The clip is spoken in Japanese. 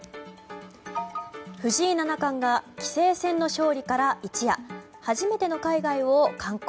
藤井七冠が棋聖戦の勝利から一夜初めての海外を観光。